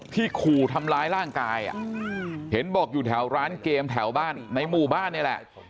ขู่ทำร้ายร่างกายเห็นบอกอยู่แถวร้านเกมแถวบ้านในหมู่บ้านนี่แหละ